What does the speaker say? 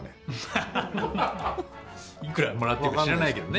いくらもらっているか知らないけどね。